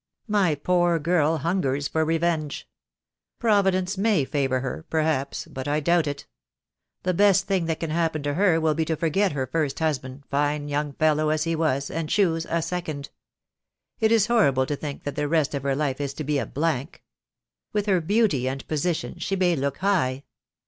My poor girl hungers for revenge. Providence may favour her, perhaps, but I doubt it. The best thing that can happen to her will be to forget her first husband, fine young fellow as he was, and choose a second. It is horrible to think that the rest of her life is to be a blank. With her beauty and position she may look high.